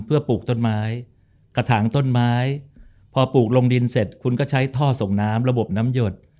เพื่อปลูกต้นไม้กระถางต้นไม้พอปลูกลงดินเสร็จคุณก็ใช้ท่อส่งน้ำระบบน้ำหยด